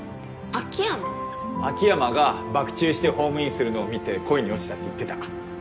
秋山がバク宙してホームインするのを見て恋に落ちたって言ってた。